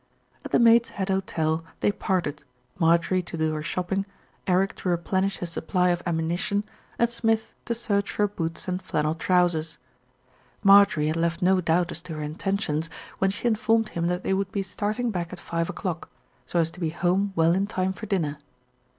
At the Maid's Head Hotel they parted, Marjorie to do her shopping, Eric to replenish his supply of ammu SMITH ACQUIRES REACH ME DOWNS 147 nition, and Smith to search for boots and flannel trousers. Marjorie had left no doubt as to her intentions when she informed him that they would be starting back at five o'clock, so as to be home well in time for dinner.